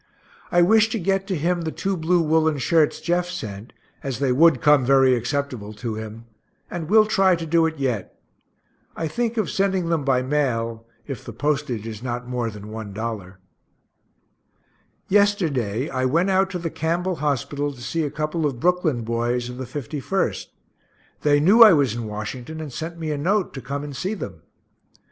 I wish to get to him the two blue woolen shirts Jeff sent, as they would come very acceptable to him and will try to do it yet. I think of sending them by mail, if the postage is not more than $1. Yesterday I went out to the Campbell hospital to see a couple of Brooklyn boys, of the 51st. They knew I was in Washington, and sent me a note, to come and see them.